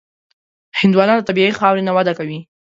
هندوانه له طبیعي خاورې نه وده کوي.